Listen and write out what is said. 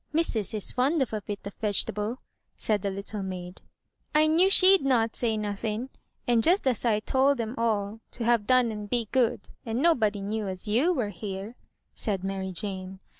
Missis is fond of a bit of vegetable," said the little maid. I knew she'd not say nothing;— and . just as I told 'em all to have done and be good — and nobody knew as you was here," said Mary Jane.